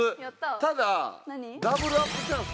ただＷアップチャンス。